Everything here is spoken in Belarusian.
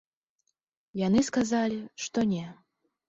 Яны сказалі, што не.